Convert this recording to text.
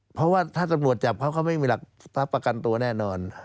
เพราะว่าถ้าตำรวจจับเพราะเขาไม่มีหลักทรัพย์ประกันตัวแน่นอน